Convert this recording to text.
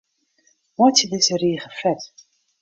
Meitsje dizze rige fet.